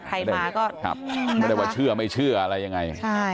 ไม่ได้ว่าเชื่อไม่เชื่ออะไรยังไง